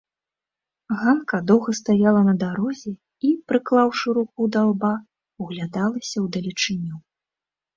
Ганка доўга стаяла на дарозе і, прыклаўшы руку да лба, углядалася ў далечыню.